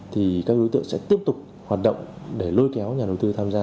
thì các đối tượng sẽ tiếp tục hoạt động để lôi kéo nhà đầu tư tham gia